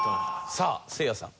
さあせいやさん。